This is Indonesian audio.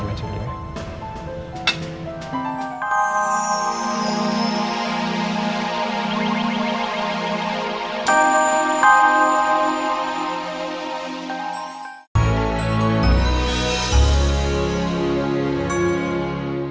om jangan lupa ya